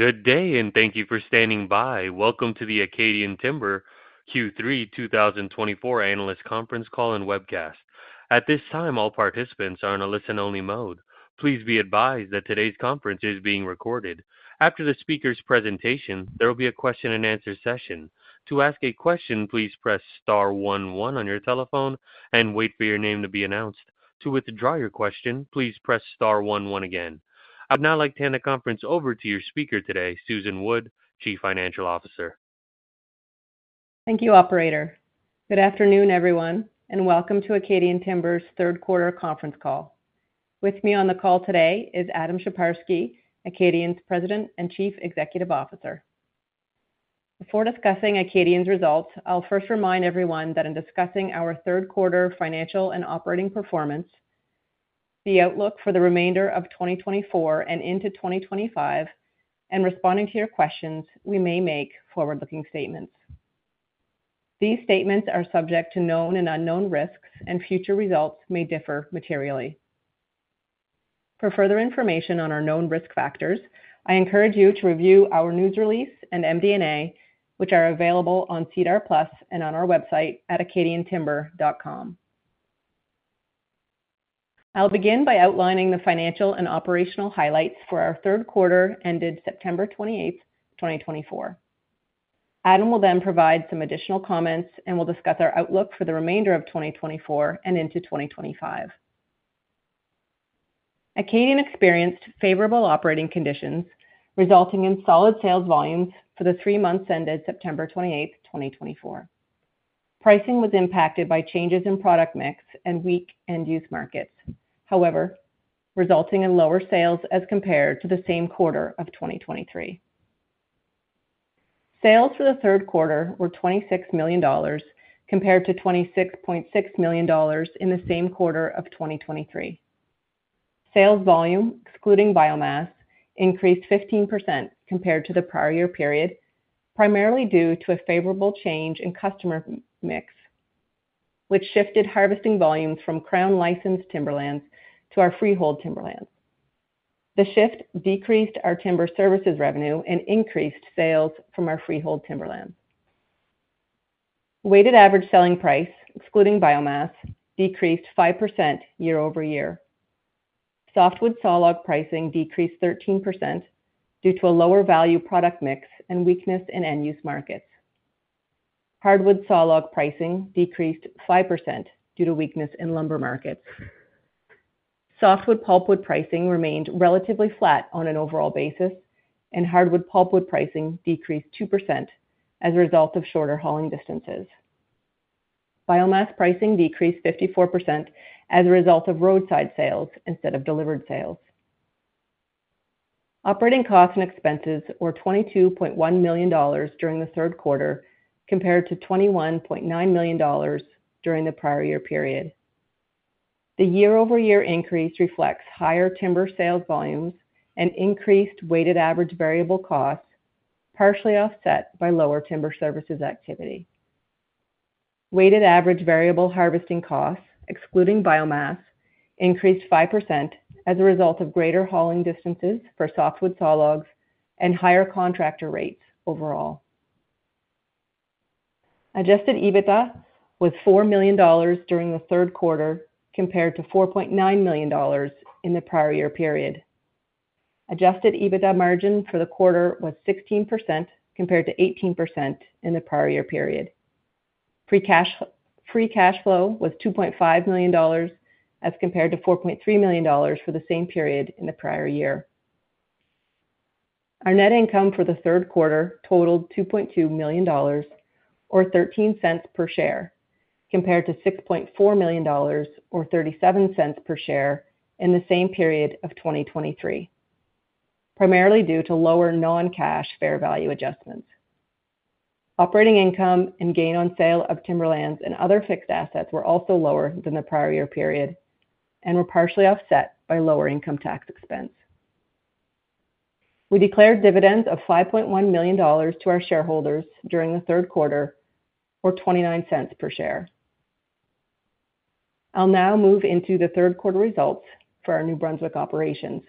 Good day, and thank you for standing by. Welcome to the Acadian Timber Q3 2024 Analyst Conference Call and Webcast. At this time, all participants are in a listen-only mode. Please be advised that today's conference is being recorded. After the speaker's presentation, there will be a question-and-answer session. To ask a question, please press star 11 on your telephone and wait for your name to be announced. To withdraw your question, please press star 11 again. I would now like to hand the conference over to your speaker today, Susan Wood, Chief Financial Officer. Thank you, Operator. Good afternoon, everyone, and welcome to Acadian Timber's third quarter conference call. With me on the call today is Adam Sheparski, Acadian's President and Chief Executive Officer. Before discussing Acadian's results, I'll first remind everyone that in discussing our third quarter financial and operating performance, the outlook for the remainder of 2024 and into 2025, and responding to your questions, we may make forward-looking statements. These statements are subject to known and unknown risks, and future results may differ materially. For further information on our known risk factors, I encourage you to review our news release and MD&A, which are available on SEDAR+ and on our website at acadiantimber.com. I'll begin by outlining the financial and operational highlights for our third quarter ended September 28, 2024. Adam will then provide some additional comments and will discuss our outlook for the remainder of 2024 and into 2025. Acadian experienced favorable operating conditions, resulting in solid sales volumes for the three months ended September 28, 2024. Pricing was impacted by changes in product mix and weak end-use markets, however, resulting in lower sales as compared to the same quarter of 2023. Sales for the third quarter were 26 million dollars compared to 26.6 million dollars in the same quarter of 2023. Sales volume, excluding biomass, increased 15% compared to the prior year period, primarily due to a favorable change in customer mix, which shifted harvesting volumes from Crown-licensed timberlands to our freehold timberlands. The shift decreased our timber services revenue and increased sales from our freehold timberlands. Weighted average selling price, excluding biomass, decreased 5% year over year. Softwood saw log pricing decreased 13% due to a lower value product mix and weakness in end-use markets. Hardwood saw log pricing decreased 5% due to weakness in lumber markets. Softwood pulpwood pricing remained relatively flat on an overall basis, and hardwood pulpwood pricing decreased 2% as a result of shorter hauling distances. Biomass pricing decreased 54% as a result of roadside sales instead of delivered sales. Operating costs and expenses were 22.1 million dollars during the third quarter compared to 21.9 million dollars during the prior year period. The year-over-year increase reflects higher timber sales volumes and increased weighted average variable costs, partially offset by lower timber services activity. Weighted average variable harvesting costs, excluding biomass, increased 5% as a result of greater hauling distances for softwood saw logs and higher contractor rates overall. Adjusted EBITDA was 4 million dollars during the third quarter compared to 4.9 million dollars in the prior year period. Adjusted EBITDA margin for the quarter was 16% compared to 18% in the prior year period. Free cash flow was 2.5 million dollars as compared to 4.3 million dollars for the same period in the prior year. Our net income for the third quarter totaled 2.2 million dollars or 0.13 per share compared to 6.4 million dollars or 0.37 per share in the same period of 2023, primarily due to lower non-cash fair value adjustments. Operating income and gain on sale of timberlands and other fixed assets were also lower than the prior year period and were partially offset by lower income tax expense. We declared dividends of 5.1 million dollars to our shareholders during the third quarter or 0.29 per share. I'll now move into the third quarter results for our New Brunswick operations.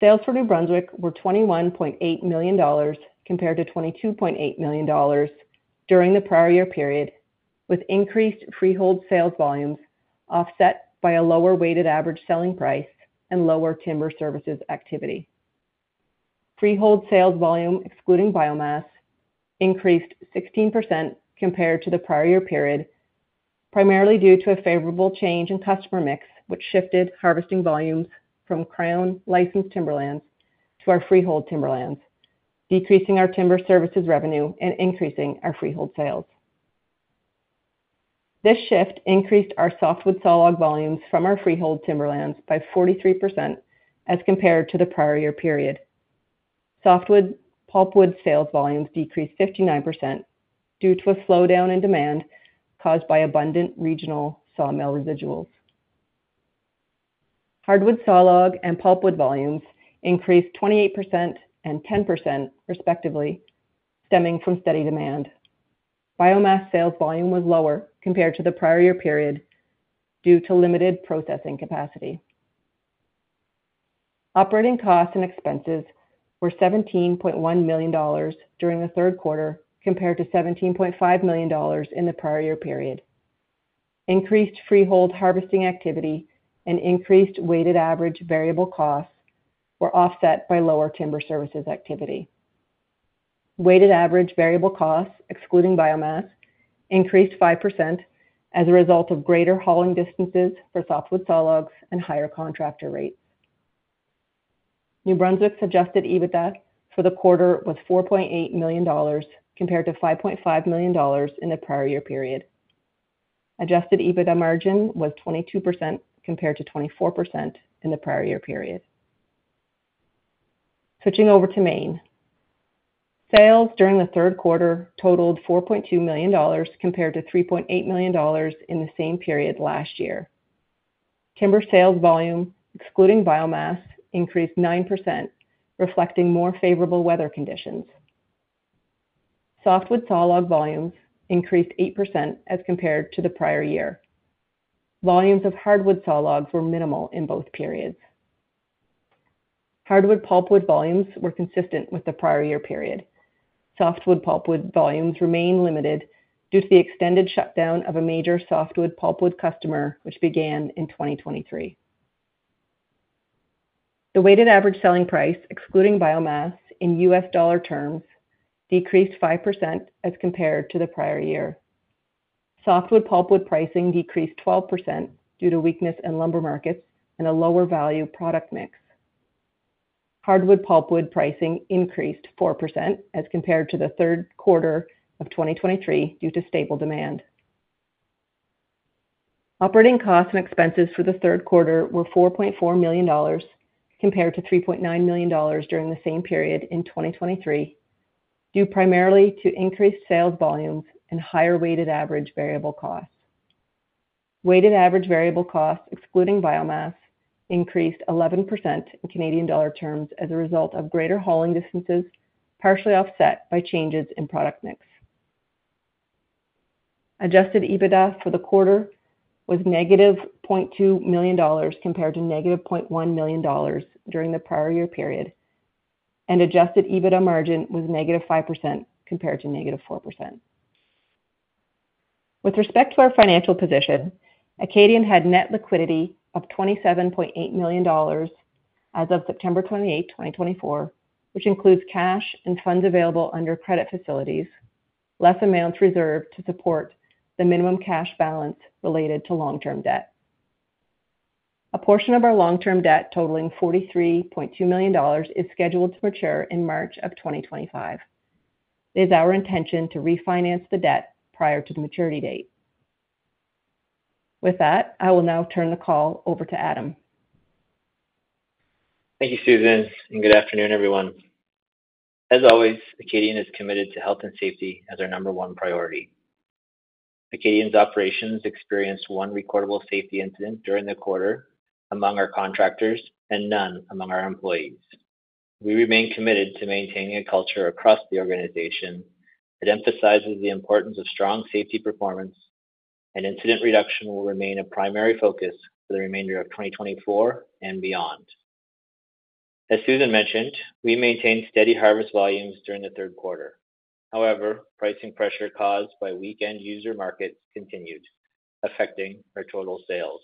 Sales for New Brunswick were 21.8 million dollars compared to 22.8 million dollars during the prior year period, with increased freehold sales volumes offset by a lower weighted average selling price and lower timber services activity. Freehold sales volume, excluding biomass, increased 16% compared to the prior year period, primarily due to a favorable change in customer mix, which shifted harvesting volumes from Crown-licensed timberlands to our freehold timberlands, decreasing our timber services revenue and increasing our freehold sales. This shift increased our softwood sawlogs volumes from our freehold timberlands by 43% as compared to the prior year period. Softwood pulpwood sales volumes decreased 59% due to a slowdown in demand caused by abundant regional sawmill residuals. Hardwood sawlogs and pulpwood volumes increased 28% and 10% respectively, stemming from steady demand. Biomass sales volume was lower compared to the prior year period due to limited processing capacity. Operating costs and expenses were 17.1 million dollars during the third quarter compared to 17.5 million dollars in the prior year period. Increased freehold harvesting activity and increased weighted average variable costs were offset by lower timber services activity. Weighted average variable costs, excluding biomass, increased 5% as a result of greater hauling distances for softwood saw logs and higher contractor rates. New Brunswick's Adjusted EBITDA for the quarter was 4.8 million dollars compared to 5.5 million dollars in the prior year period. Adjusted EBITDA margin was 22% compared to 24% in the prior year period. Switching over to Maine. Sales during the third quarter totaled $4.2 million compared to $3.8 million in the same period last year. Timber sales volume, excluding biomass, increased 9%, reflecting more favorable weather conditions. Softwood saw log volumes increased 8% as compared to the prior year. Volumes of hardwood saw logs were minimal in both periods. Hardwood pulpwood volumes were consistent with the prior year period. Softwood pulpwood volumes remain limited due to the extended shutdown of a major softwood pulpwood customer, which began in 2023. The weighted average selling price, excluding biomass in US dollar terms, decreased 5% as compared to the prior year. Softwood pulpwood pricing decreased 12% due to weakness in lumber markets and a lower value product mix. Hardwood pulpwood pricing increased 4% as compared to the third quarter of 2023 due to stable demand. Operating costs and expenses for the third quarter were 4.4 million dollars compared to 3.9 million dollars during the same period in 2023, due primarily to increased sales volumes and higher weighted average variable costs. Weighted average variable costs, excluding biomass, increased 11% in Canadian dollar terms as a result of greater hauling distances, partially offset by changes in product mix. Adjusted EBITDA for the quarter was 0.2 million dollars compared to 0.1 million dollars during the prior year period, and adjusted EBITDA margin was -5% compared to -4%. With respect to our financial position, Acadian had net liquidity of 27.8 million dollars as of September 28, 2024, which includes cash and funds available under credit facilities, less amounts reserved to support the minimum cash balance related to long-term debt. A portion of our long-term debt totaling 43.2 million dollars is scheduled to mature in March of 2025. It is our intention to refinance the debt prior to the maturity date. With that, I will now turn the call over to Adam. Thank you, Susan, and good afternoon, everyone. As always, Acadian is committed to health and safety as our number one priority. Acadian's operations experienced one recordable safety incident during the quarter among our contractors and none among our employees. We remain committed to maintaining a culture across the organization that emphasizes the importance of strong safety performance, and incident reduction will remain a primary focus for the remainder of 2024 and beyond. As Susan mentioned, we maintained steady harvest volumes during the third quarter. However, pricing pressure caused by weak end-user markets continued, affecting our total sales.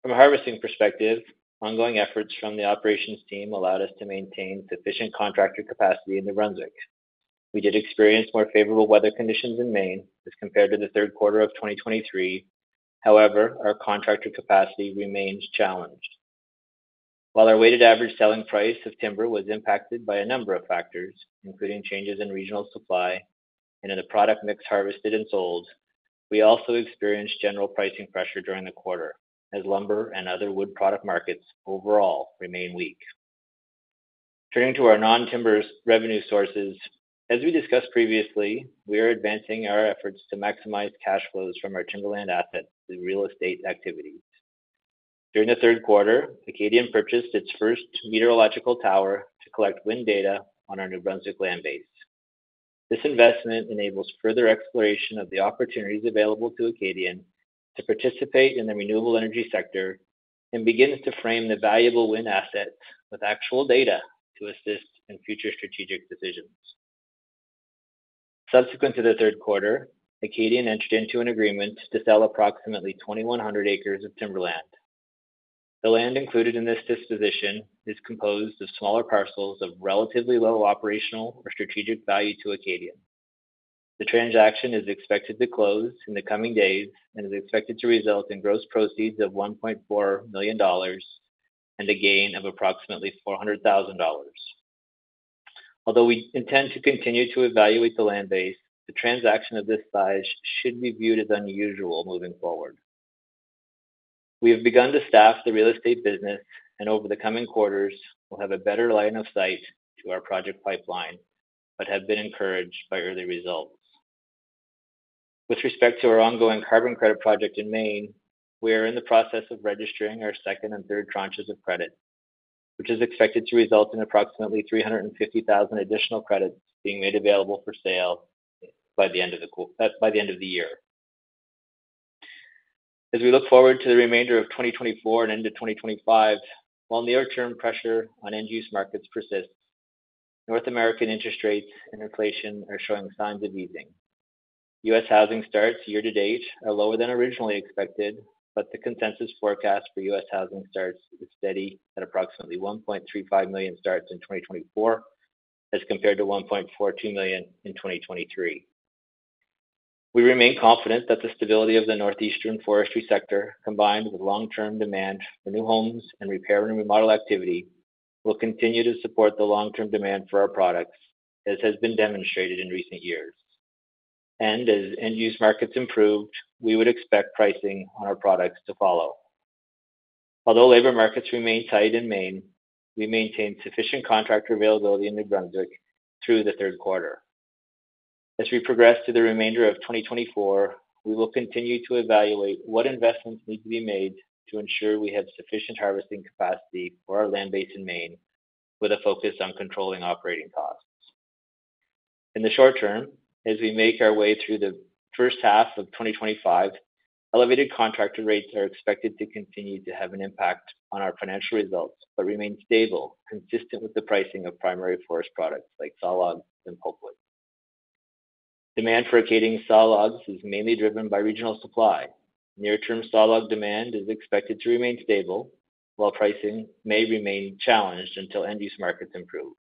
From a harvesting perspective, ongoing efforts from the operations team allowed us to maintain sufficient contractor capacity in New Brunswick. We did experience more favorable weather conditions in Maine as compared to the third quarter of 2023. However, our contractor capacity remains challenged. While our weighted average selling price of timber was impacted by a number of factors, including changes in regional supply and in the product mix harvested and sold, we also experienced general pricing pressure during the quarter as lumber and other wood product markets overall remain weak. Turning to our non-timber revenue sources, as we discussed previously, we are advancing our efforts to maximize cash flows from our timberland assets through real estate activities. During the third quarter, Acadian purchased its first meteorological tower to collect wind data on our New Brunswick land base. This investment enables further exploration of the opportunities available to Acadian to participate in the renewable energy sector and begins to frame the valuable wind assets with actual data to assist in future strategic decisions. Subsequent to the third quarter, Acadian entered into an agreement to sell approximately 2,100 acres of timberland. The land included in this disposition is composed of smaller parcels of relatively low operational or strategic value to Acadian. The transaction is expected to close in the coming days and is expected to result in gross proceeds of 1.4 million dollars and a gain of approximately 400,000 dollars. Although we intend to continue to evaluate the land base, the transaction of this size should be viewed as unusual moving forward. We have begun to staff the real estate business, and over the coming quarters, we'll have a better line of sight to our project pipeline, but have been encouraged by early results. With respect to our ongoing carbon credit project in Maine, we are in the process of registering our second and third tranches of credits, which is expected to result in approximately 350,000 additional credits being made available for sale by the end of the year. As we look forward to the remainder of 2024 and into 2025, while near-term pressure on end-use markets persists, North American interest rates and inflation are showing signs of easing. U.S. housing starts year-to-date are lower than originally expected, but the consensus forecast for U.S. housing starts is steady at approximately 1.35 million starts in 2024 as compared to 1.42 million in 2023. We remain confident that the stability of the northeastern forestry sector, combined with long-term demand for new homes and repair and remodel activity, will continue to support the long-term demand for our products, as has been demonstrated in recent years, and as end-use markets improved, we would expect pricing on our products to follow. Although labor markets remain tight in Maine, we maintain sufficient contractor availability in New Brunswick through the third quarter. As we progress to the remainder of 2024, we will continue to evaluate what investments need to be made to ensure we have sufficient harvesting capacity for our land base in Maine, with a focus on controlling operating costs. In the short term, as we make our way through the first half of 2025, elevated contractor rates are expected to continue to have an impact on our financial results but remain stable, consistent with the pricing of primary forest products like saw logs and pulpwood. Demand for Acadian saw logs is mainly driven by regional supply. Near-term saw log demand is expected to remain stable, while pricing may remain challenged until end-use markets improve.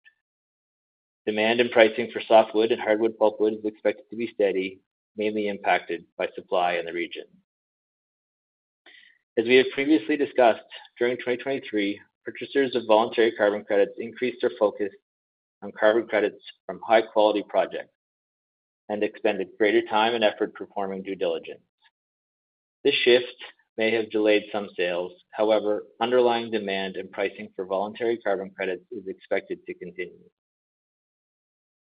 Demand and pricing for softwood and hardwood pulpwood is expected to be steady, mainly impacted by supply in the region. As we have previously discussed, during 2023, purchasers of voluntary carbon credits increased their focus on carbon credits from high-quality projects and expended greater time and effort performing due diligence. This shift may have delayed some sales. However, underlying demand and pricing for voluntary carbon credits is expected to continue.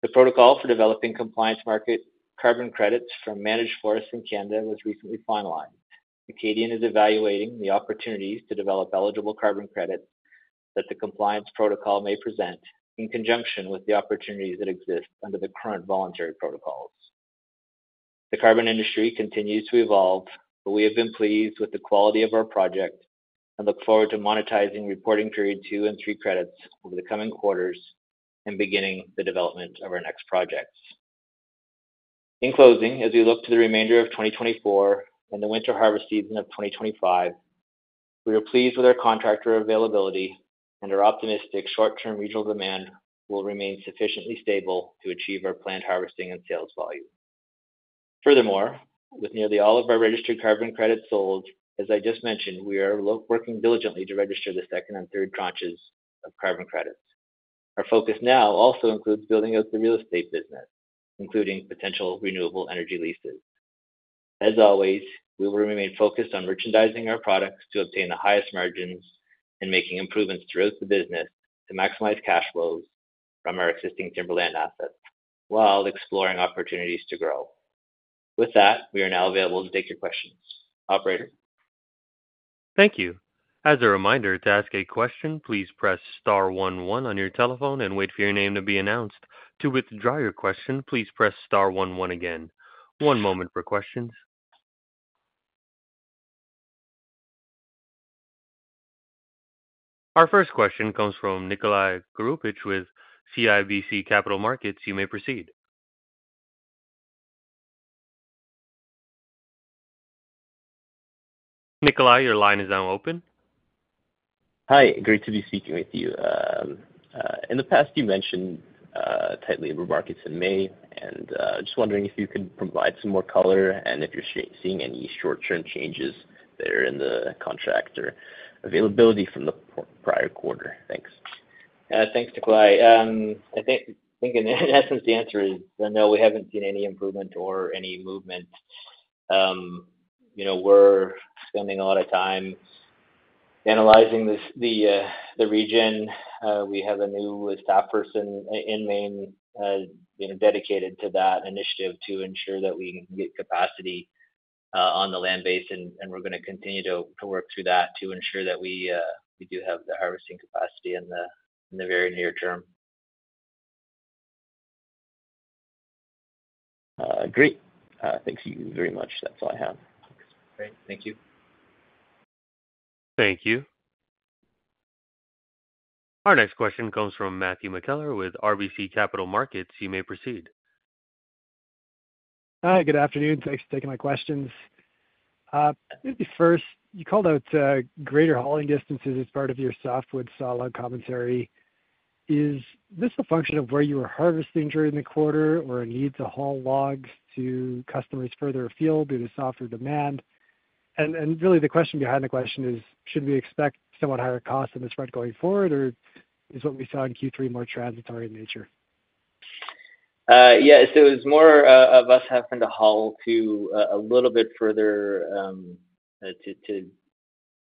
The protocol for developing compliance market carbon credits for managed forests in Canada was recently finalized. Acadian is evaluating the opportunities to develop eligible carbon credits that the compliance protocol may present in conjunction with the opportunities that exist under the current voluntary protocols. The carbon industry continues to evolve, but we have been pleased with the quality of our project and look forward to monetizing reporting period two and three credits over the coming quarters and beginning the development of our next projects. In closing, as we look to the remainder of 2024 and the winter harvest season of 2025, we are pleased with our contractor availability and are optimistic short-term regional demand will remain sufficiently stable to achieve our planned harvesting and sales volume. Furthermore, with nearly all of our registered carbon credits sold, as I just mentioned, we are working diligently to register the second and third tranches of carbon credits. Our focus now also includes building out the real estate business, including potential renewable energy leases. As always, we will remain focused on merchandising our products to obtain the highest margins and making improvements throughout the business to maximize cash flows from our existing timberland assets while exploring opportunities to grow. With that, we are now available to take your questions. Operator. Thank you. As a reminder, to ask a question, please press star 11 on your telephone and wait for your name to be announced. To withdraw your question, please press star 11 again. One moment for questions. Our first question comes from Nikolai Goroupitch with CIBC Capital Markets. You may proceed. Nikolai, your line is now open. Hi. Great to be speaking with you. In the past, you mentioned tight labor markets in Maine, and I'm just wondering if you could provide some more color and if you're seeing any short-term changes that are in the contract or availability from the prior quarter? Thanks. Thanks, Nikolai. I think in essence, the answer is no, we haven't seen any improvement or any movement. We're spending a lot of time analyzing the region. We have a new staff person in Maine dedicated to that initiative to ensure that we can get capacity on the land base, and we're going to continue to work through that to ensure that we do have the harvesting capacity in the very near term. Great. Thank you very much. That's all I have. Great. Thank you. Thank you. Our next question comes from Matthew McKellar with RBC Capital Markets. You may proceed. Hi. Good afternoon. Thanks for taking my questions. First, you called out greater hauling distances as part of your softwood sawlog commentary. Is this a function of where you were harvesting during the quarter or a need to haul logs to customers further afield due to softer demand? And really, the question behind the question is, should we expect somewhat higher costs in this front going forward, or is what we saw in Q3 more transitory in nature? Yeah. So it was more of us having to haul to a little bit further to,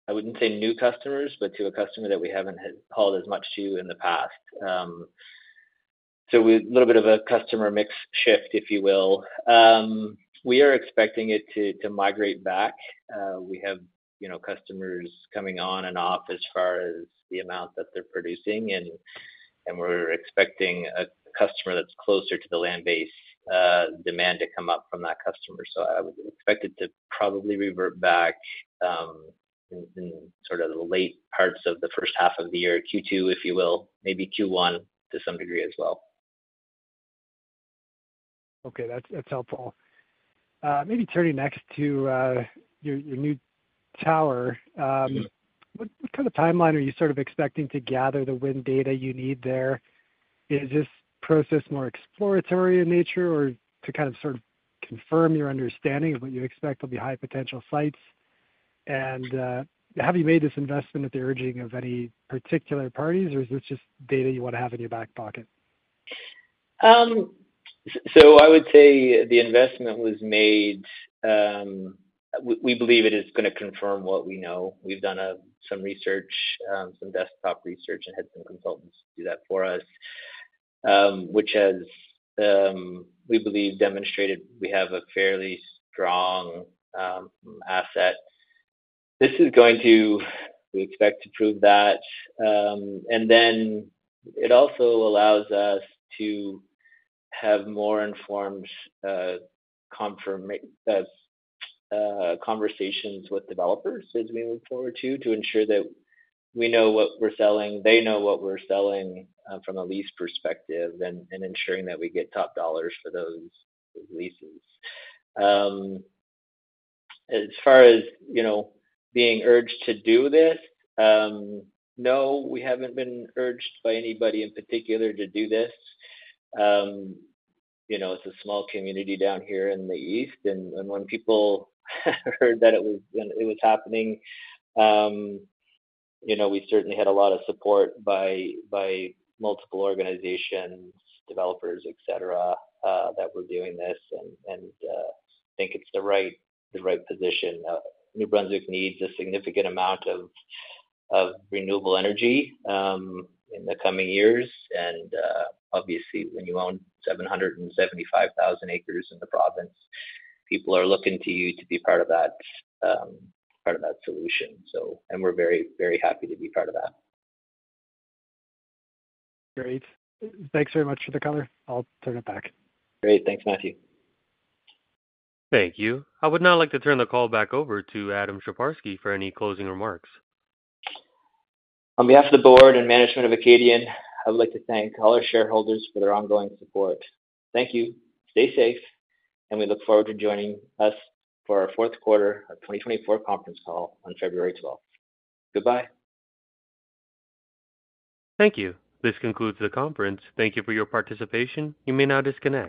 I wouldn't say new customers, but to a customer that we haven't hauled as much to in the past. So a little bit of a customer mix shift, if you will. We are expecting it to migrate back. We have customers coming on and off as far as the amount that they're producing, and we're expecting a customer that's closer to the land base demand to come up from that customer. So I would expect it to probably revert back in sort of the late parts of the first half of the year, Q2, if you will, maybe Q1 to some degree as well. Okay. That's helpful. Maybe turning next to your new tower. What kind of timeline are you sort of expecting to gather the wind data you need there? Is this process more exploratory in nature or to kind of sort of confirm your understanding of what you expect will be high-potential sites? And have you made this investment at the urging of any particular parties, or is this just data you want to have in your back pocket? I would say the investment was made. We believe it is going to confirm what we know. We've done some research, some desktop research, and had some consultants do that for us, which has, we believe, demonstrated we have a fairly strong asset. This is going to. We expect to prove that, and then it also allows us to have more informed conversations with developers as we move forward to ensure that we know what we're selling, they know what we're selling from a lease perspective, and ensuring that we get top dollars for those leases. As far as being urged to do this, no, we haven't been urged by anybody in particular to do this. It's a small community down here in the east, and when people heard that it was happening, we certainly had a lot of support by multiple organizations, developers, etc., that were doing this and think it's the right position. New Brunswick needs a significant amount of renewable energy in the coming years. And obviously, when you own 775,000 acres in the province, people are looking to you to be part of that solution. And we're very, very happy to be part of that. Great. Thanks very much for the color. I'll turn it back. Great. Thanks, Matthew. Thank you. I would now like to turn the call back over to Adam Sheparski for any closing remarks. On behalf of the board and management of Acadian, I would like to thank all our shareholders for their ongoing support. Thank you. Stay safe, and we look forward to joining us for our fourth quarter of 2024 conference call on February 12th. Goodbye. Thank you. This concludes the conference. Thank you for your participation. You may now disconnect.